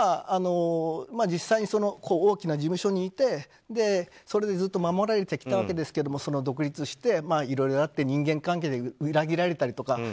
実際に大きな事務所にいてそれでずっと守られてきたわけですけど独立して、いろいろあって人間関係で裏切られたりとか。